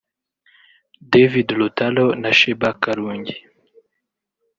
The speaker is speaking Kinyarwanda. David Lutalo na Sheebah Karungi